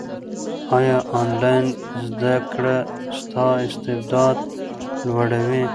ایا انلاین زده کړه ستا استعداد لوړوي؟